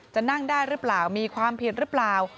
จะนั่งได้หรือเปล่ามีความผิดหรือเปล่า